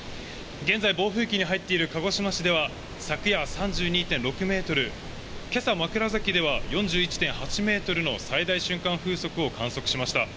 現在、暴風域に入っている鹿児島市では昨夜３２．６メートル、今朝、枕崎では４１．８メートルの最大瞬間風速を観測しました。